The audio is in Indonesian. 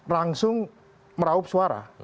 langsung meraup suara